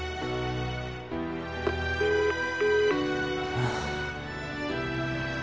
ああ。